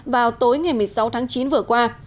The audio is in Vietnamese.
vào tối ngày một mươi sáu tháng chín vừa qua